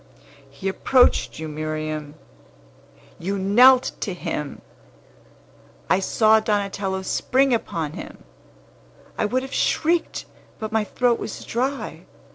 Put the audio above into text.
He approached you, Miriam. You knelt to him! I saw Donatello spring upon him! I would have shrieked, but my throat was dry.